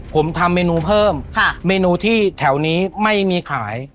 ผมทำเมนูเพิ่มเมนูที่แถวนี้ไม่มีขาย